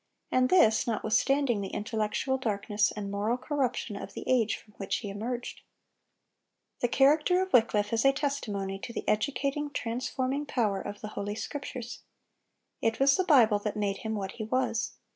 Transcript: And this notwithstanding the intellectual darkness and moral corruption of the age from which he emerged. The character of Wycliffe is a testimony to the educating, transforming power of the Holy Scriptures. It was the Bible that made him what he was.